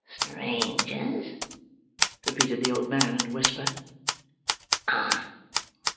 "Strangers!" repeated the old man in a whisper. "Ah!